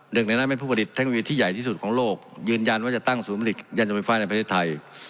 หนึ่งในนั้นเป็นผู้ผลิตเทคโนโลยีที่ใหญ่ที่สุดของโลกยืนยันว่าจะตั้งศูนย์ผลิตยันยนต์ไฟฟ้าในประเทศไทย